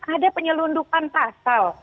ada penyelundupan pasal